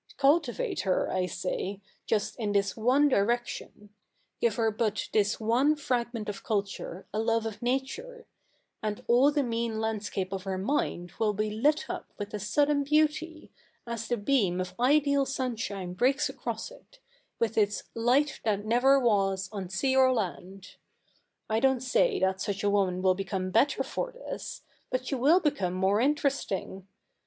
146 THE NEW REPUBLIC [r,K. iii Cultivate her, I say, just in this one direction — give her but this one fragment of culture, a love of Nature — and all the mean landscape of her mind will be lit up with a sudden beauty, as the beam of ideal sunshine breaks across it, with its " light that never was on sea or land." I don't say that such a woman will become better for this, but she will become more interesting.